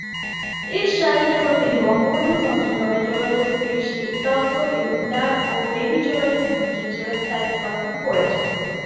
দেশ স্বাধীনের পর তিনি বঙ্গবন্ধুর মন্ত্রিসভায় যোগাযোগ, কৃষি, তথ্য এবং ডাক ও টেলিযোগাযোগ মন্ত্রী হিসেবে দায়িত্ব পালন করেছেন।